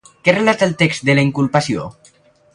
Què relata el text de la inculpació?